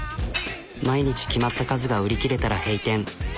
毎日決まった数が売り切れたら閉店。